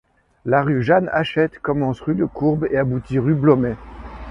La rue Jeanne-Hachette commence rue Lecourbe et aboutit rue Blomet.